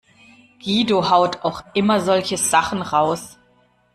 Guido haut auch immer solche Sachen raus.